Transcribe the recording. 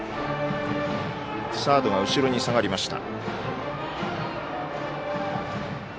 サードが後ろに下がりました。